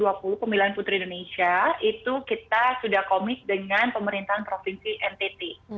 iya jadi memang di tahun dua ribu dua puluh pemilihan putri indonesia itu kita sudah komis dengan pemerintahan provinsi ntt